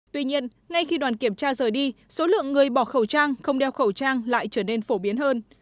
tuy nhiên ngay khi đoàn kiểm tra rời đi số lượng người bỏ khẩu trang không đeo khẩu trang lại trở nên phổ biến hơn